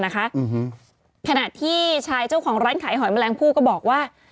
ขณะที่ชายเจ้าของร้านขายหอยแมลงผู้ก็บอกว่า